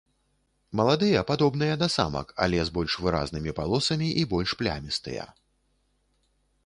Маладыя падобныя да самак, але з больш выразнымі палосамі і больш плямістыя.